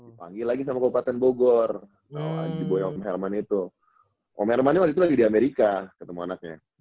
dipanggil lagi sama kabupaten bogor sama boy om herman itu om herman itu waktu itu lagi di amerika ketemu anaknya